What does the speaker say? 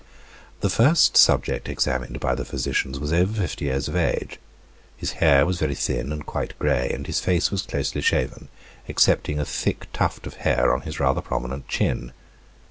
The first subject examined by the physicians was over fifty years of age. His hair was very thin and quite gray and his face was closely shaven, excepting a thick tuft of hair on his rather prominent chin.